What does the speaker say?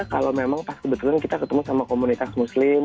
kalau memang pas kebetulan kita ketemu sama komunitas muslim